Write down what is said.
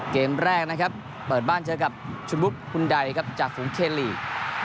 เกมแรกนะครับเปิดบ้านเจอกับชุนบุฟคุณใดครับจากฝูงเทลีก